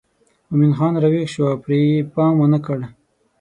مومن خان راویښ شو او پرې یې پام ونه کړ.